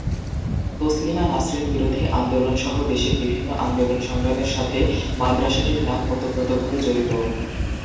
তসলিমা নাসরিন বিরোধী আন্দোলন সহ দেশের বিভিন্ন আন্দোলন-সংগ্রামের সাথে মাদ্রাসাটির নাম ওতপ্রোতভাবে জড়িত।